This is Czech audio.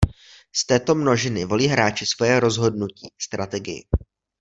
Z této množiny volí hráči svoje rozhodnutí - strategii.